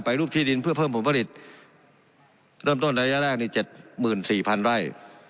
ไปรูปที่ดินเพื่อเพิ่มผมผลิตเริ่มต้นระยะแรกนี้เจ็ดหมื่นสี่พันไร่